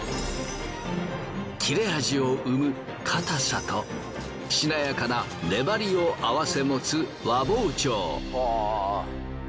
切れ味を生む硬さとしなやかな粘りを併せ持つ和包丁。